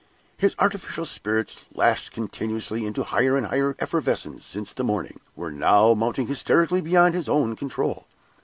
His artificial spirits, lashed continuously into higher and higher effervescence since the morning, were now mounting hysterically beyond his own control.